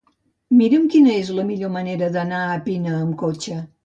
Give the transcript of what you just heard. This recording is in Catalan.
Mira'm quina és la millor manera d'anar a Pina amb cotxe.